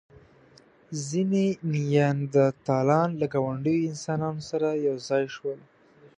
ځینې نیاندرتالان له ګاونډيو انسانانو سره یو ځای شول.